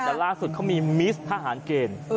แต่ล่าสุดเขามีมิสทหารเกณฑ์